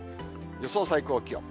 予想最高気温。